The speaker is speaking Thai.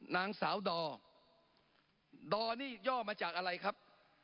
นางสาวดอดอนี่ย่อมาจากอะไรครับ